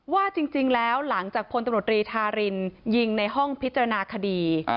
ว่าจริงแล้วหลังจากพลตำรวจรีธารินยิงในห้องพิจารณาคดี